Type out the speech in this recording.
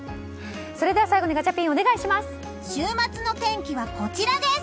それでは最後にガチャピン週末の天気はこちらです。